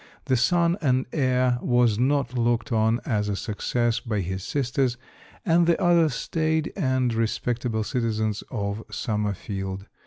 The son and heir was not looked on as a success by his sisters and the other staid and respectable citizens of Summerfield.